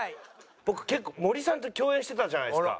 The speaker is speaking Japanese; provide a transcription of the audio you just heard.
僕結構森さんと共演してたじゃないですか。